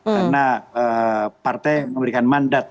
karena partai memberikan mandat